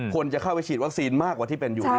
คนจะเข้าไปฉีดวัคซีนมากกว่าที่เป็นอยู่